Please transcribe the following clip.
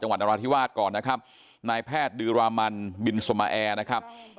จังหวัดอราธิวาสก่อนนะครับนายแพทย์ดือรามันบิลสมแอนะครับ